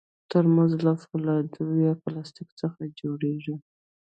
ترموز له فولادو یا پلاستیک څخه جوړېږي.